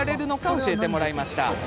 教えてもらいました。